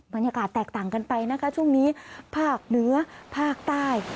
บรรยากาศแตกต่างกันไปนะคะช่วงนี้ภาคเหนือภาคใต้